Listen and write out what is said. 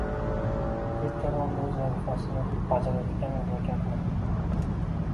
sud jarayonida o‘z vazifasini bajarayotgan advokatni